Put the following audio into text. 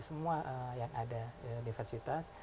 semua yang ada di universitas